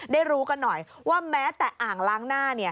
ได้รู้กันหน่อยว่าแม้แต่อ่างล้างหน้า